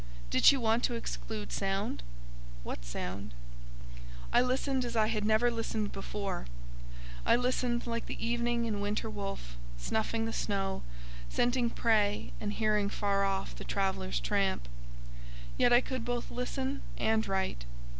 Did she want to exclude sound? what sound? I listened as I had never listened before; I listened like the evening and winter wolf, snuffing the snow, scenting prey, and hearing far off the traveller's tramp. Yet I could both listen and write.